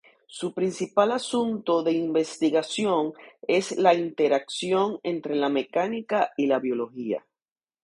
Su principal asunto de investigación es la interacción entre la mecánica y la biología.